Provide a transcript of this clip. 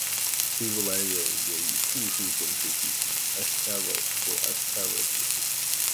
希伯来人也以复数形式提及“ Ashtarot” 或“ Astartes”。